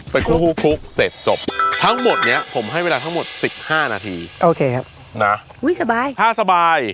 คั่วคลุกเสร็จจบทั้งหมดเนี้ยผมให้เวลาทั้งหมดสิบห้านาทีโอเคครับนะอุ้ยสบายถ้าสบาย